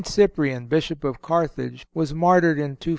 Cyprian, Bishop of Carthage, was martyred in 258.